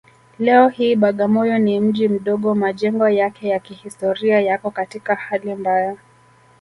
Leo hii Bagamoyo ni mji mdogo Majengo yake ya kihistoria yako katika hali mbaya